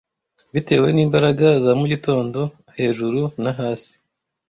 Bitewe n'imbaraga za mugitondo: hejuru na hasi,